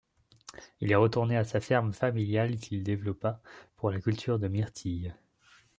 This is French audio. Il est retourné à sa ferme familiale qu'il développât pour la culture de myrtille.